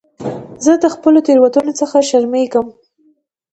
زه د خپلو تېروتنو څخه شرمېږم.